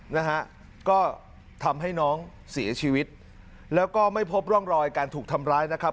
นะฮะก็ทำให้น้องเสียชีวิตแล้วก็ไม่พบร่องรอยการถูกทำร้ายนะครับ